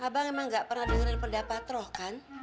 abang emang gak pernah dengar pendapat roh kan